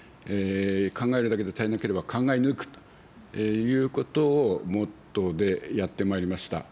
考えるだけで足りなければ考え抜くということをモットーでやってまいりました。